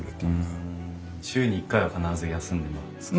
週に１回は必ず休んでるんですか？